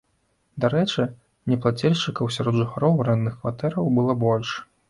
Дарэчы, неплацельшчыкаў сярод жыхароў арэндных кватэраў было больш.